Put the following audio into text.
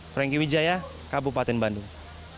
franky widjaya kabupaten bandung